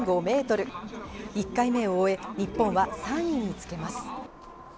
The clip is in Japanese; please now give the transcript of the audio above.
１回目を終え、日本は３位につけます。